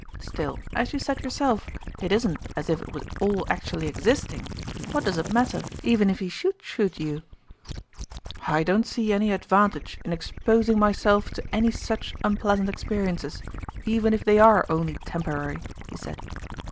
" Still, as you said yourself, it isn't as if it was all actually existing. What does it matter, even if he should shoot you ?"" I don't see any advantage in exposing my self to any such unpleasant experiences, even if they are only temporary," he said.